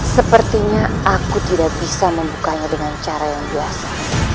sepertinya aku tidak bisa membukanya dengan cara yang biasa